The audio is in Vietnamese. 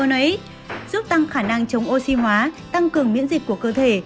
nhóm thực phẩm chứa flavonase giúp tăng khả năng chống oxy hóa tăng cường miễn dịch của cơ thể